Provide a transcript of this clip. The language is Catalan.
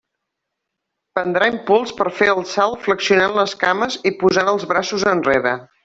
Prendrà impuls per fer el salt flexionant les cames i posant els braços enrere.